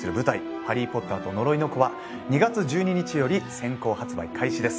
「ハリー・ポッターと呪いの子」は２月１２日より先行発売開始です